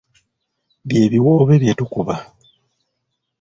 Bye biwoobe bye tukuba.